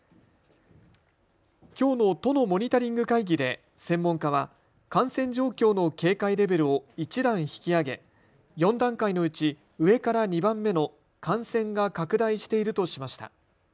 きょうの都のモニタリング会議で専門家は感染状況の警戒レベルを１段引き上げ、４段階のうち上から２番目の感染が拡大しているとしました。